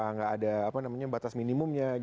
enggak ada apa namanya batas minimumnya